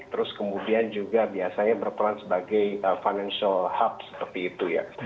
terus kemudian juga biasanya berperan sebagai financial hub seperti itu ya